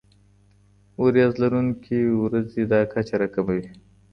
وریځ لرونکي ورځې دا کچه راکموي.